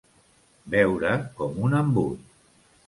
Beure com un embut.